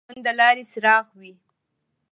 • ښه ملګری د ژوند د لارې څراغ وي.